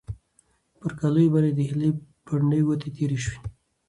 پر کالیو باندې د هیلې پنډې ګوتې تېرې شوې.